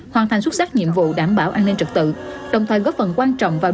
hoàn thành xuất sắc nhiệm vụ đảm bảo an ninh trật tự đồng thời góp phần quan trọng vào